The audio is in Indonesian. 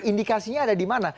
indikasinya ada di mana